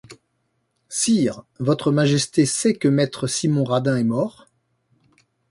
Sire, votre majesté sait que maître Simon Radin est mort?